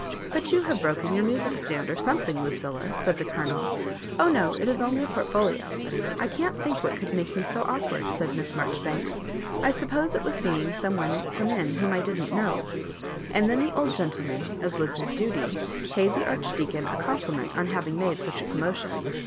" But you have broken your music stand or something, Lucilla," said the Colonel. Oh, no ; it is only a portfolio I canl think what could make me so awkward," said Miss Marjoribanks ;^* I suppose it was seeing some one come in whom I didn't know." And then the old gentleman, as was his duty, paid the Ardi deacon a compliment on having made such a commotion.